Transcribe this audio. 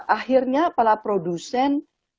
akhirnya para produsen